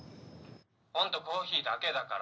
「本当コーヒーだけだから。